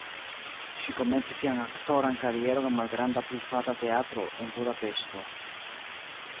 Ŝi komencis sian aktoran karieron en malgranda privata teatro en Budapeŝto.